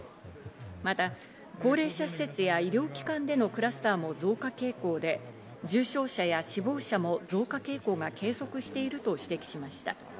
また高齢者施設や医療機関でのクラスターも増加傾向で、重症者や死亡者も増加傾向が継続していると指摘しました。